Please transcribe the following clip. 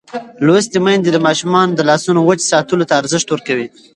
لوستې میندې د ماشومانو د لاسونو وچ ساتلو ته ارزښت ورکوي.